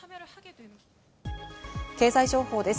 経済情報です。